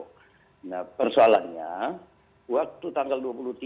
nah persoalannya waktu tanggal dua puluh tiga